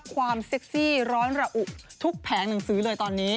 เซ็กซี่ร้อนระอุทุกแผงหนังสือเลยตอนนี้